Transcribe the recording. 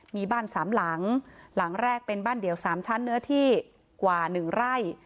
มีบ้านสามหลังหลังแรกเป็นบ้านเดี่ยว๓ชั้นเนื้อที่กว่า๑ไร่